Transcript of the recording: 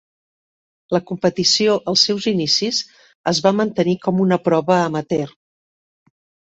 La competició als seus inicis es va mantenir com una prova amateur.